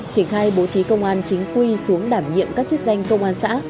triển khai bố trí công an chính quy xuống đảm nhiệm các chức danh công an xã